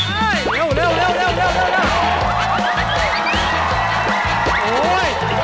เร็วเร็วเร็ว